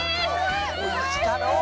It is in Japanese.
おいしかろう。